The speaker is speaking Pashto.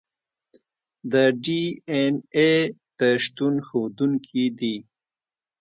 د ډي این اې د شتون ښودونکي دي.